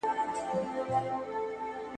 دا موضوع باید په پښتو کي وڅېړل سي.